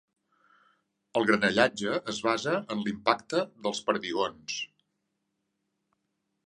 El granallatge es basa en l'impacte dels perdigons.